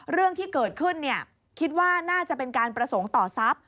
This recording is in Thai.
เรื่องที่เกิดขึ้นคิดว่าน่าจะเป็นการประสงค์ต่อทรัพย์